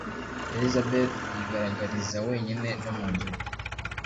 Elizabeth yigaragariza wenyine no mu nzu,